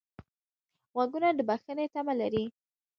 غوږونه د بښنې تمه لري